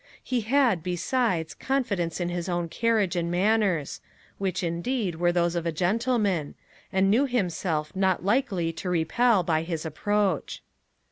He had, besides, confidence in his own carriage and manners which, indeed, were those of a gentleman and knew himself not likely to repel by his approach.